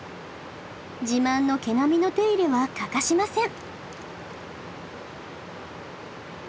自慢の毛並みの手入れは欠かしません。